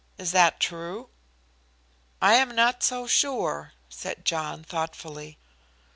Is that true?" "I am not so sure," said John, thoughtfully.